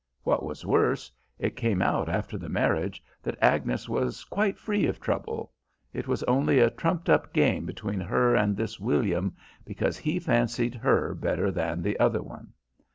What was worse, it came out after the marriage that Agnes was quite free of trouble it was only a trumped up game between her and this William because he fancied her better than the other one.